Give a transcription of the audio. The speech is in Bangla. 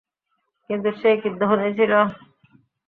কিন্তু সে কি ধনি ছিল?